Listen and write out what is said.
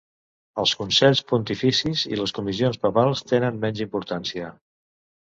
Els consells pontificis i les comissions papals tenen menys importància.